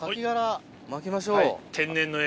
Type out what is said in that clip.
まきましょう。